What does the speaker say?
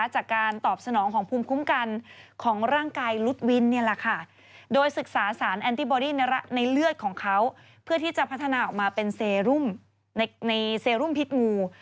จากการตอบสนองของภูมิคุ้มกันของร่างกายรุดวินโดยศึกษาสารแอนติบอดี้ในเลือดของเขาเพื่อที่จะพัฒนาออกมาเป็นเซรุมในเซรุมพิษงู